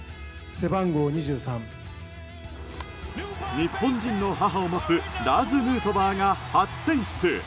日本人の母を持つラーズ・ヌートバーが初選出。